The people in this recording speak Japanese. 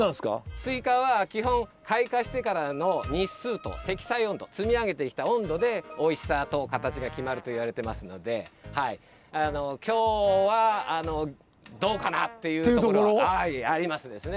すいかは基本開花してからの日数と積算温度積み上げてきた温度でおいしさと形が決まるといわれてますので今日はどうかなっていうところははいありますですね。